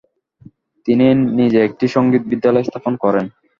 তিনি নিজে একটি সংগীত বিদ্যালয় স্থাপন করেন।